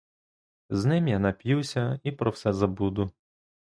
З ним я нап'юся і про все забуду.